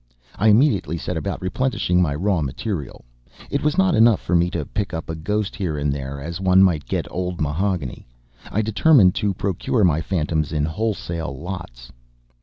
I immediately set about replenishing my raw material. It was not enough for me to pick up a ghost here and there, as one might get old mahogany; I determined to procure my phantoms in wholesale lots.